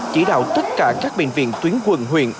chỉ đạo tất cả các bệnh viện tuyến quận huyện